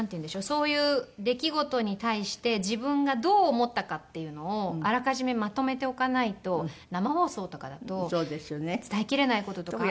そういう出来事に対して自分がどう思ったかっていうのをあらかじめまとめておかないと生放送とかだと伝えきれない事とか。